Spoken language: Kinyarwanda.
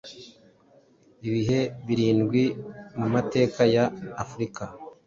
Ibihe birindwi mu mateka ya Afurika